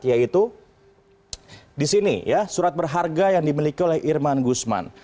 yaitu di sini ya surat berharga yang dimiliki oleh irman gusman